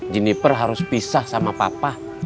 jenniper harus pisah sama papa